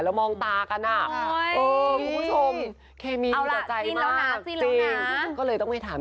แล้วมองตากันอ่ะโอ้ยชม